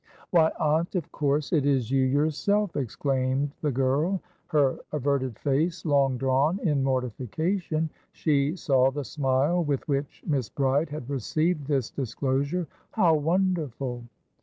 "Why, aunt, of course it is you yourself!" exclaimed the girl, her averted face long drawn in mortification; she saw the smile with which Miss Bride had received this disclosure. "How wonderful!"